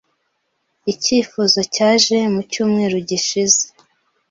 Icyifuzo cyaje mu cyumweru gishize.